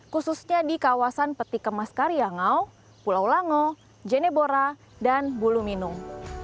khususnya di kawasan peti kemas karyangau pulau lango jenebora dan buluminung